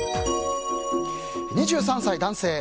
２３歳、男性。